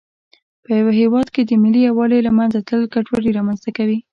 په یوه هېواد کې د ملي یووالي له منځه تلل ګډوډي رامنځته کوي.